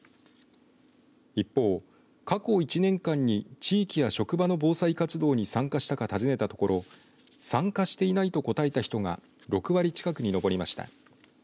一方、過去１年間に地域や職場の防災活動に参加したか、たずねたところ参加していないと答えた人が６割近くに上りました。